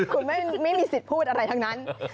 คุณไม่มีสิทธิ์พูดอะไรทั้งนั้น